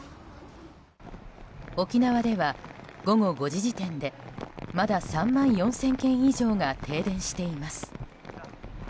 沖縄では、午後５時時点でまだ３万４０００軒以上が停電しています。